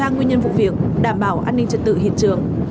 ba nguyên nhân vụ việc đảm bảo an ninh trật tự hiện trường